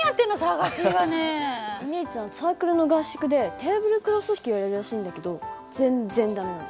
お兄ちゃんサークルの合宿でテーブルクロス引きをやるらしいんだけど全然駄目なの。